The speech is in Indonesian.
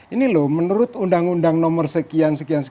ini loh menurut undang undang nomor sekian sekian